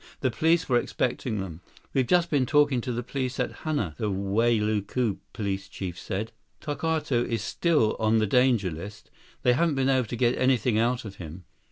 The police were expecting them. "We've just been talking to the police in Hana," the Wailuku police chief said. "Tokawto is still on the danger list. They haven't been able to get anything out of him."